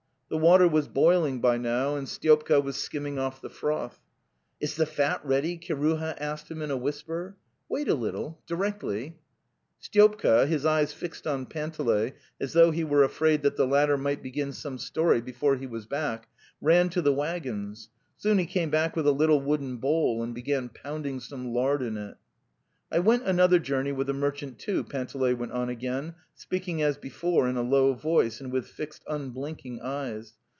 The water was boiling by now and Styopka was skimming off the froth. Isiithe fatireadyr (' Kiruha asked) him pina whisper. i) WWartiay little: so.) Directhys,: Styopka, his eyes fixed on Panteley as though he were afraid that the latter might begin some story before he was back, ran to the waggons; soon he came back with a little wooden bowl and began pounding some lard in it. '"'T went another journey with a merchant, too, .." Panteley went on again, speaking as before in a low voice and with fixed unblinking eyes.